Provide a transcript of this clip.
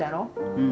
うん。